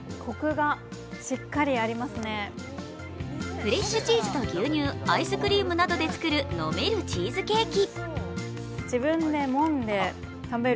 フレッシュチーズと牛乳、アイスクリームなどで作る飲めるチーズケーキ。